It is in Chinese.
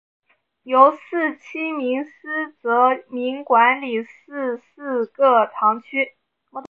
由廿七名司铎名管理廿四个堂区。